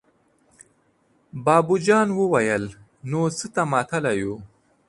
بابو جان وويل: نو څه ته ماتله يو!